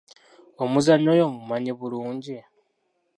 Omuzannyi oyo omumanyi bulungi?